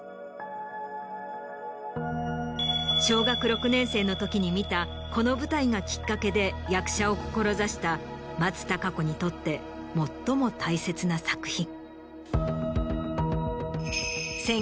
小学６年生のときに見たこの舞台がきっかけで役者を志した松たか子にとって最も大切な作品。